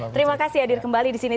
terima kasih hadir kembali di sini